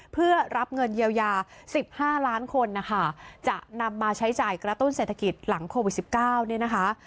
เพื่อรับเงินเยียวยา๑๕ล้านคนนะคะจะนำมาใช้จ่ายกระตุ้นเศรษฐกิจหลังโควิด๑๙เนี่ยนะคะ